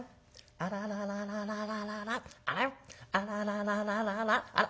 あらあらあらあらあらあらあらあら。